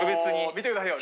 見てくださいよ。